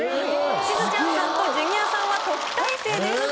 しずちゃんさんとジュニアさんは特待生です。